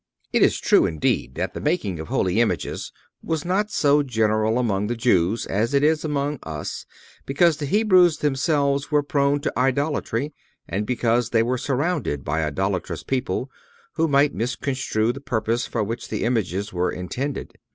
It is true, indeed, that the making of holy images was not so general among the Jews as it is among us, because the Hebrews themselves were prone to idolatry, and because they were surrounded by idolatrous people, who might misconstrue the purpose for which the images were intended.